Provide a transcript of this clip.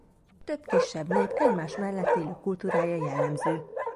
Több kisebb nép egymás mellett élő kultúrája jellemző.